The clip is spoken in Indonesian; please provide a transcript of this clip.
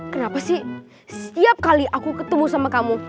kenapa sih setiap kali aku ketemu sama kamu